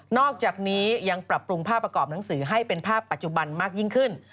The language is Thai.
อกจากนี้ยังปรับปรุงภาพประกอบหนังสือให้เป็นภาพปัจจุบันมากยิ่งขึ้น